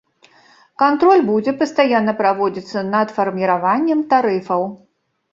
Кантроль будзе пастаянна праводзіцца над фарміраваннем тарыфаў.